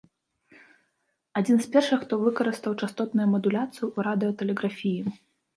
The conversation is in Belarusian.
Адзін з першых, хто выкарыстаў частотную мадуляцыю ў радыётэлеграфіі.